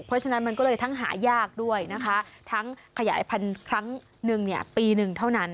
เพราะฉะนั้นมันก็เลยทั้งหายากด้วยนะคะทั้งขยายพันธุ์ครั้งหนึ่งปีหนึ่งเท่านั้น